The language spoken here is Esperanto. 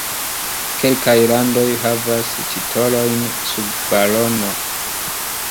Kelkaj landoj havas titolojn sub barono.